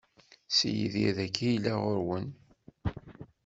Si Yidir dagi i yella ɣur-wen?